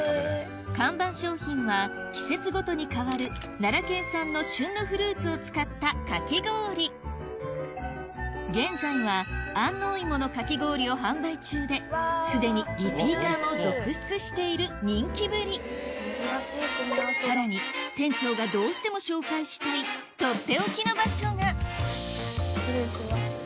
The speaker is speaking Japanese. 看板商品は季節ごとに変わる奈良県産の旬のフルーツを使ったかき氷現在は安納芋のかき氷を販売中ですでにリピーターも続出している人気ぶりさらに店長がどうしても紹介したい失礼します。